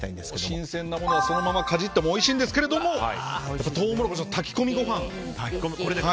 新鮮なものはそのままかじってもおいしいんですけれどもトウモロコシの炊き込みご飯。